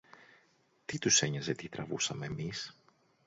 Τι τους ένοιαζε τι τραβούσαμε μεις;